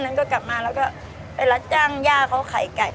นั้นก็กลับมาแล้วก็ไปรับจ้างย่าเขาขายไก่